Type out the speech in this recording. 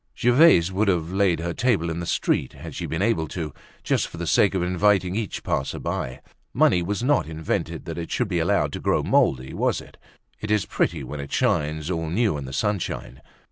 Gervaise would have laid her table in the street, had she been able to, just for the sake of inviting each passer by. Money was not invented that it should be allowed to grow moldy, was it? It is pretty when it shines all new in the sunshine.